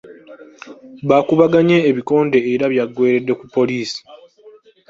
Bakubaganye ebikonde era byaggweredde ku poliisi.